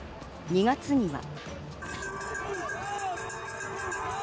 ２月には。